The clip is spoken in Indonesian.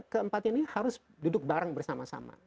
keempat ini harus duduk bareng bersama sama